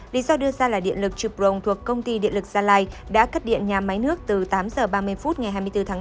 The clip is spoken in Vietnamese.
lý do đưa ra là điện lực truprong thuộc công ty điện lực gia lai đã cắt điện nhà máy nước từ tám h ba mươi phút ngày hai mươi bốn tháng năm